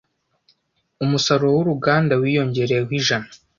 Umusaruro wuru ruganda wiyongereyeho ijana